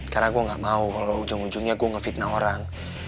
karena gua gak mau kalo ujung ujungnya gua ngefitnah orang